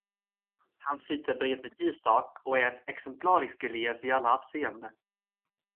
Han sitter bredvid Isak och är en exemplarisk elev i alla avseenden.